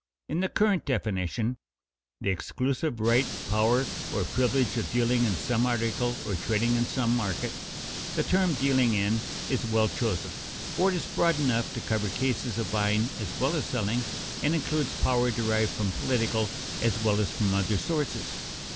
In the current definition, "The exclusive right, power, or privilege of dealing in some article or trading in some market," the term "dealing in" is well chosen, for it is broad enough to cover cases of buying as well as selling, and includes power derived from political as well as from other sources.